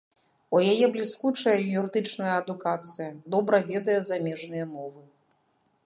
У яе бліскучая юрыдычная адукацыя, добра ведае замежныя мовы.